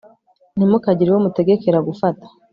ntimukagire uwo mutegekera gufata